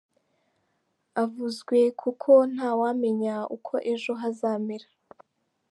avuzwe kuko ntawamenya uko ejo hazamera.